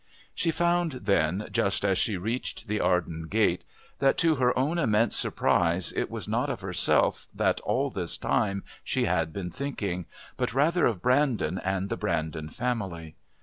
She found then, just as she reached the Arden Gate, that, to her own immense surprise, it was not of herself that, all this time, she had been thinking, but rather of Brandon and the Brandon family.